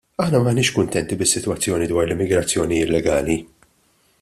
Aħna m'aħniex kuntenti bis-sitwazzjoni dwar l-immigrazzjoni illegali.